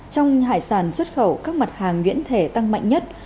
trong hải sản xuất khẩu các mặt hàng nhuyễn thể tăng mạnh nhất